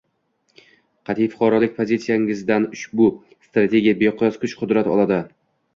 qat’iy fuqarolik pozitsiyangizdan ushbu Strategiya beqiyos kuch-qudrat oladi.